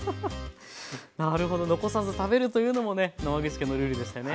なるほど残さず食べるというのもね野間口家のルールでしたね。